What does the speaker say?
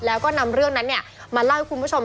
แล้วก็นำเรื่องนั้นมาเล่าให้คุณผู้ชม